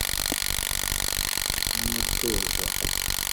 n’umutuzo